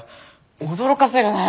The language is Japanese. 驚かせるなよ！